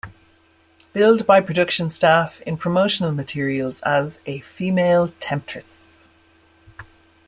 Billed by production staff, in promotional materials as "a female temptress".